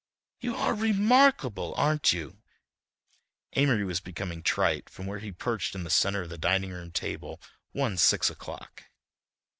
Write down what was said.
"You are remarkable, aren't you!" Amory was becoming trite from where he perched in the centre of the dining room table one six o'clock.